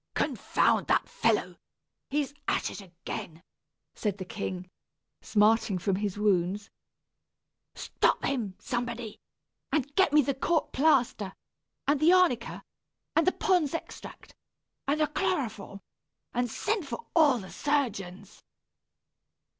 "Confound that fellow, he's at it again," said the king, smarting from his wounds. "Stop him, somebody; and get me the court plaster, and the arnica, and the Pond's extract, and the chloroform; and send for all the surgeons."